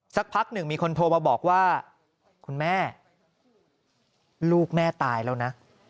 สักพักหนึ่งมีคนโทรมาบอกว่าคุณแม่ลูกแม่ตายแล้วนะ